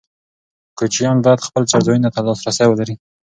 کوچیان باید خپل څړځایونو ته لاسرسی ولري.